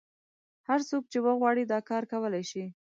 هر څوک چې وغواړي دا کار کولای شي.